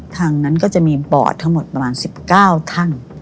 ทางนั้นก็จะมีปอดทั้งหมดประมาณ๑๙แท่ง